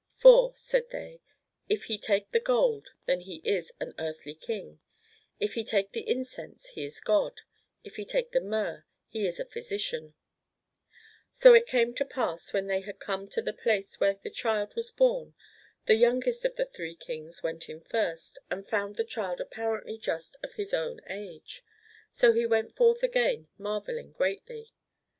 For, said they, if he take the Gold, then he is an earthly King ; if he take the Incense he is God ; if he take the Myrrh he is a Physician. Chap. XIV. PERSIA AND THE THREE KINGS 79 So it came to pass when they had come to the place where the Child was born, the youngest of the Three Kings went in first, and found the Child apparently just of his own age ; so he went forth again marvelling greatly.